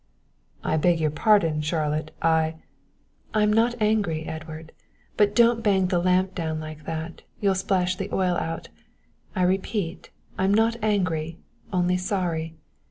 "I beg your pardon, Charlotte, I " "I'm not angry, Edward, but don't bang the lamp down like that, you'll splash the oil out. I repeat I'm not angry, only sorry.